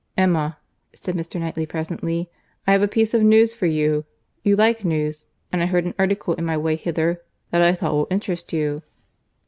"Emma," said Mr. Knightley presently, "I have a piece of news for you. You like news—and I heard an article in my way hither that I think will interest you."